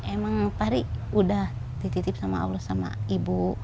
emang pari udah dititip sama allah sama ibu